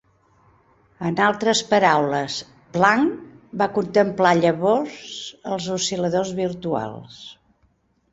En altres paraules, Planck va contemplar llavors els oscil·ladors virtuals.